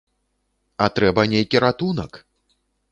А трэба нейкі ратунак!